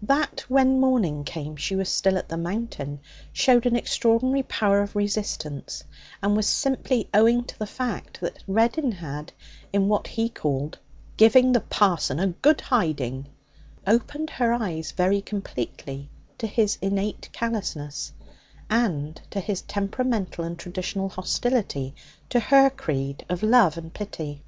That, when morning came, she was still at the Mountain showed an extraordinary power of resistance, and was simply owing to the fact that Reddin had, in what he called 'giving the parson a good hiding,' opened her eyes very completely to his innate callousness, and to his temperamental and traditional hostility to her creed of love and pity.